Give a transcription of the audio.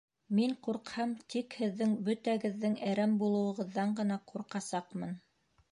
Мин ҡурҡһам, тик һеҙҙең бөтәгеҙҙең әрәм булыуығыҙҙан ғына ҡурҡасаҡмын!